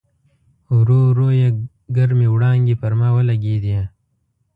ورو ورو یې ګرمې وړانګې پر ما ولګېدې.